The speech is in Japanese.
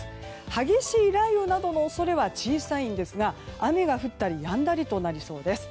激しい雷雨などの恐れは小さいんですが雨が降ったりやんだりとなりそうです。